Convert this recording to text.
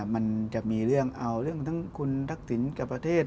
มันจะมีเรื่องทั้งคุณทักษิณกับประเทศ